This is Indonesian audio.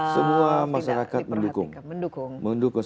semua masyarakat mendukung